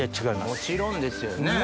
もちろんですよねぇ。